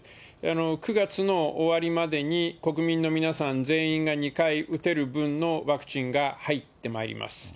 ９月の終わりまでに国民の皆さん全員が２回打てる分のワクチンが入ってまいります。